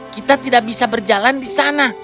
kita tidak bisa berjalan di sana